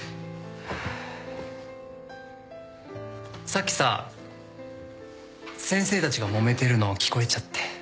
さっきさ先生たちがもめてるの聞こえちゃって。